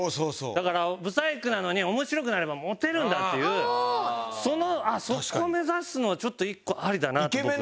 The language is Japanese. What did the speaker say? だからブサイクなのに面白くなればモテるんだっていうそこ目指すのちょっと１個ありだなって。